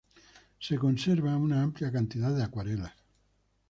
Se conservan una amplia cantidad de acuarelas.